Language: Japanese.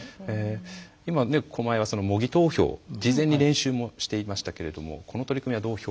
今、狛江は模擬投票事前に練習もしていましたがこの取り組みはどうですか。